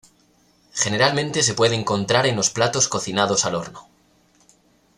Generalmente se puede encontrar en los platos cocinados al horno.